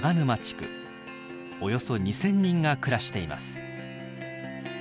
およそ２，０００人が暮らしています。